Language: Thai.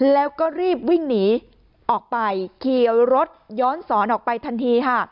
แล้วก็รีบวิ่งหนีออกไปขี่รถย้อนสอนออกไปทันทีค่ะ